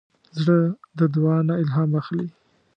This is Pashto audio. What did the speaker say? زړه د دعا نه الهام اخلي.